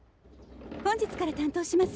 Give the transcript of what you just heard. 本日から担当します